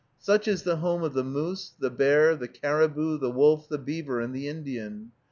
Such is the home of the moose, the bear, the caribou, the wolf, the beaver, and the Indian.